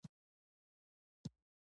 کلي د افغانانو د فرهنګي پیژندنې برخه ده.